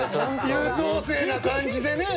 優等生な感じでね。